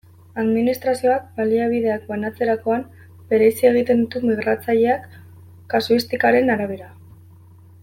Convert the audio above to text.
Administrazioak baliabideak banatzerakoan bereizi egiten ditu migratzaileak, kasuistikaren arabera.